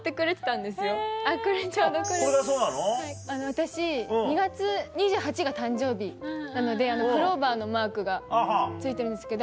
私２月２８が誕生日なのでクローバーのマークが付いてるんですけど。